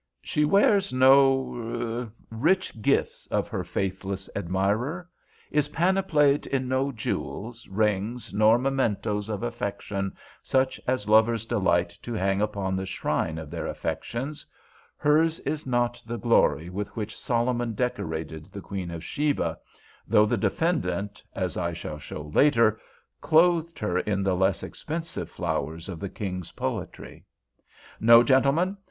She wears no—er—rich gifts of her faithless admirer—is panoplied in no jewels, rings, nor mementoes of affection such as lovers delight to hang upon the shrine of their affections; hers is not the glory with which Solomon decorated the Queen of Sheba, though the defendant, as I shall show later, clothed her in the less expensive flowers of the king's poetry. No! gentlemen!